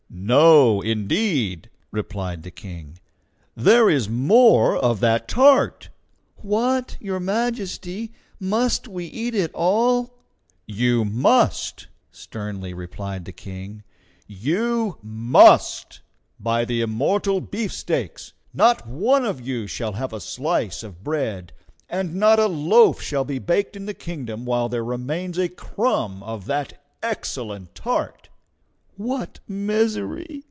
"No, indeed," replied the King. "There is more of that tart!" "What! Your Majesty, must we eat it all?" "You must!" sternly replied the King; "you MUST! By the immortal beefsteaks! not one of you shall have a slice of bread, and not a loaf shall be baked in the kingdom while there remains a crumb of that excellent tart!" "What misery!"